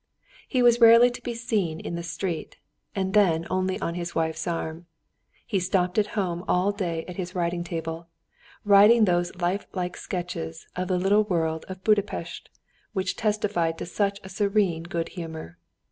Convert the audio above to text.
He was rarely to be seen in the street, and then only on his wife's arm. He stopped at home all day at his writing table, writing those life like sketches of the little world of Buda Pest which testify to such a serene good humour.